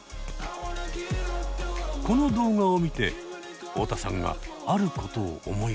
この動画を見て太田さんがあることを思い出した。